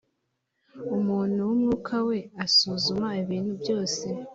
umuntu w’umwuka we asuzuma ibintu byose